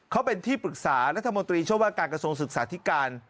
เขาเป็นที่ปรึกษารัฐมนตรีช่วยว่าการกระทรวงศึกษาธิการ